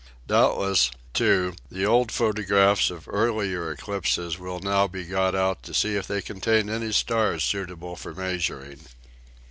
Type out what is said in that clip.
Doubtless, too, the old photographs of earlier eclipses will now be got out to see if they contain any stars suit able for measuring.